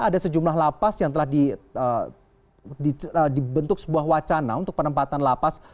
ada sejumlah lapas yang telah dibentuk sebuah wacana untuk penempatan lapas